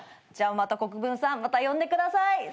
じゃあ国分さんまた呼んでください。